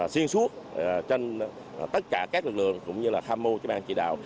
xuyên suốt trên tất cả các lực lượng cũng như là tham mô cho ban chỉ đạo